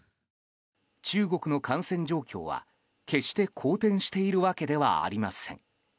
中国の感染状況は決して好転しているわけではありません。